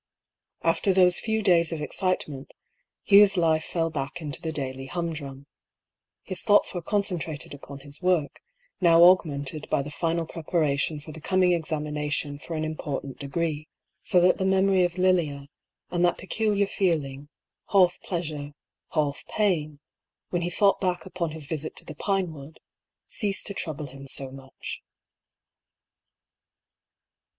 After those few days of excitement, Hugh's life fell back into the daily humdrum. His thoughts were con centrated upon his work, now augmented by the final preparation for the coming examination for an impor tant degree, so that the memory of Lilia, and that pecul iar feeling, half pleasure, half pain, when he thought back upon his visit to the Pinewood, ceased to trouble him so much.